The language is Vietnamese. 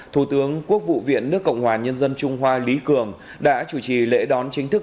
thủ tướng quốc vụ viện nước cộng hòa nhân dân trung hoa lý cường đã chủ trì lễ đón chính thức